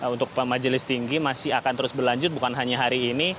untuk majelis tinggi masih akan terus berlanjut bukan hanya hari ini